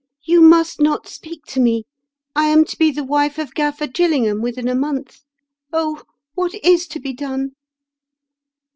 "You must not speaJc to me. I am to be the wife of Gafier Gillingham within a month. Oh, what is to be done